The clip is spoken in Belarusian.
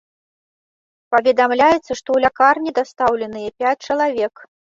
Паведамляецца, што ў лякарні дастаўленыя пяць чалавек.